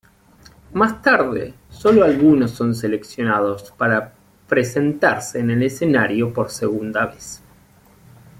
Más tarde sólo algunos son seleccionados para presentarse en el escenario por segunda vez.